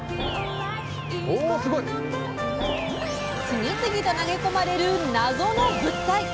次々と投げ込まれる謎の物体。